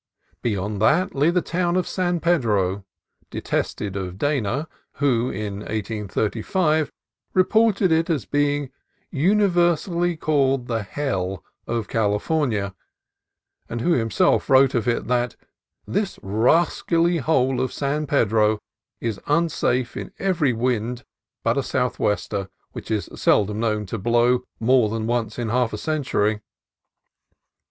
Beyond that lay the town of San Pedro, detested of Dana, who in 1835 reported it as being "universally called the hell of California," and who himself wrote of it that "This rascally hole of San Pedro is unsafe in every wind but a southwester, which is seldom known to blow more than once in half a century."